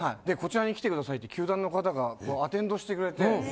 で「こちらに来てください」って球団の方がアテンドしてくれて。